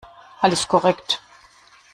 Alles korrekt.